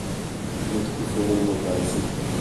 Les trous sont nombreux par ici.